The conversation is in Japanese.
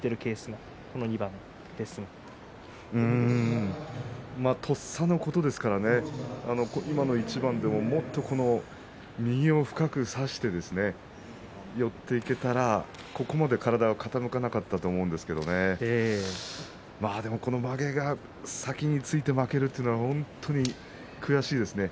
まあとっさのことですからもっと右を深く差して寄っていけたらここまで体は傾かなかったと思うんですがまあ、でもこのまげが先について負けるというのは本当に悔しいですね。